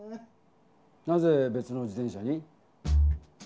なぜべつの自転車に？